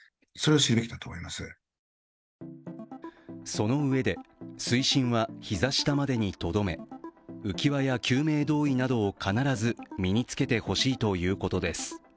そのうえで水深は膝下までにとどめ、浮き輪や救命胴衣などを必ず身につけてほしいということです。